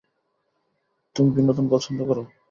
তুমি বিনোদন পছন্দ কর?